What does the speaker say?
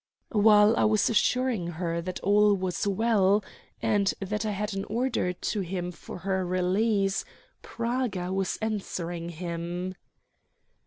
While I was assuring her that all was well, and that I had an order to him for her release, Praga was answering him.